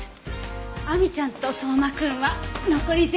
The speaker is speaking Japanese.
亜美ちゃんと相馬くんは残り全部。